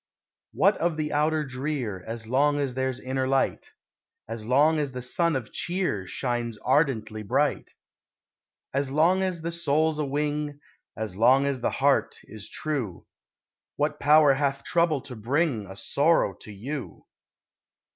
What of the outer drear, As long as there's inner light; As long as the sun of cheer Shines ardently bright? As long as the soul's a wing, As long as the heart is true, What power hath trouble to bring A sorrow to you?